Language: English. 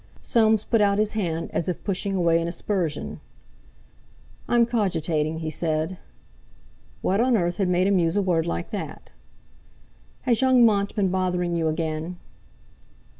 Soames put out his hand, as if pushing away an aspersion. "I'm cogitating," he said. What on earth had made him use a word like that! "Has young Mont been bothering you again?"